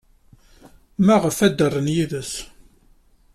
Maɣef ay ddren yid-s?